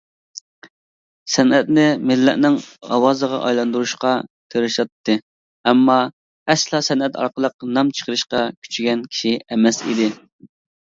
سەنئەتنى مىللىتىنىڭ ئاۋازىغا ئايلاندۇرۇشقا تىرىشاتتى، ئەمما ئەسلا سەنئەت ئارقىلىق نام چىقىرىشقا كۈچىگەن كىشى ئەمەس ئىدى.